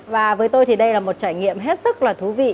và với tôi thì đây là một trải nghiệm hết sức là thú vị